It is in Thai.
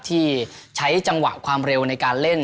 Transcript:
ที่ใช้จังหวะความเร็วในการเล่น